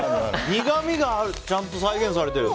苦みがちゃんと再現されてる。